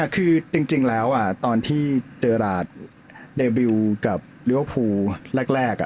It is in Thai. คือจริงแล้วตอนที่เจอราชเดบิลกับลิเวอร์พูลแรก